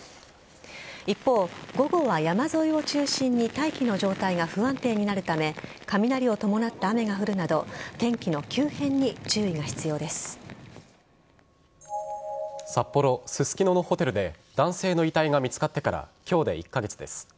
一方、午後は山沿いを中心に大気の状態が不安定になるため雷を伴った雨も降るなど札幌・ススキノのホテルで男性の遺体が見つかってから今日で１カ月です。